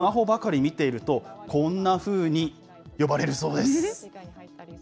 中国では、スマホばかり見ていると、こんなふうに呼ばれるそうです。